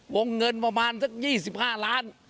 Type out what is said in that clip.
วงเงินประมาณสัก๒๕ล้าน